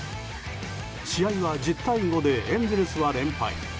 試合は１０対５でエンゼルスは連敗。